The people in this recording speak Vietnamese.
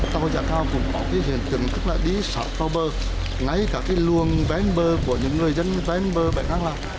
tàu giã cao cũng có cái hình thức là đi sạc tàu bờ ngay cả cái luồng vén bờ của những người dân vén bờ bay ngang làm